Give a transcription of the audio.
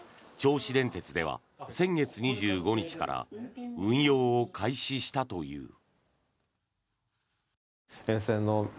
銚子電鉄では先月２５日から運用を開始したという。